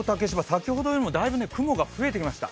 先ほどよりもだいぶ雲が増えてきました。